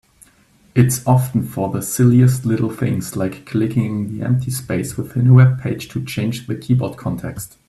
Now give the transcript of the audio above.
It's often for the silliest little things, like clicking in the empty space within a webpage to change the keyboard context.